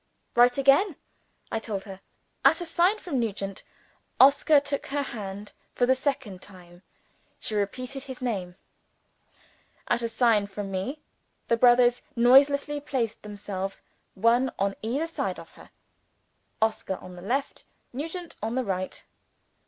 "Right again," I told her. At a sign from Nugent, Oscar took her hand for the second time. She repeated his name. At a sign from me, the brothers noiselessly placed themselves, one on either side of her Oscar on the left; Nugent on the right.